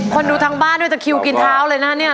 คนดูทางบ้านด้วยจะคิวกินเท้าเลยนะเนี่ย